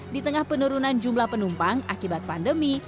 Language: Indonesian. di tengah penurunan jumlah penumpang akibat pandemi